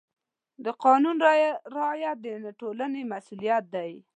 د قانون رعایت د ټولنې مسؤلیت دی.